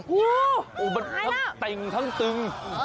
โอ้โหมันทั้งเต็งทั้งตึง